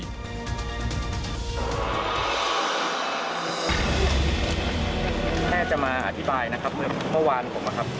แพทย์จะมาอธิบายนะครับเหมือนเมื่อวานผมนะครับ